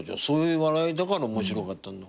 そういう笑いだから面白かった。